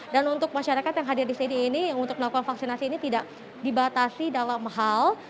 dan untuk masyarakat yang hadir di sini ini untuk melakukan vaksinasi ini tidak dibatasi dalam hal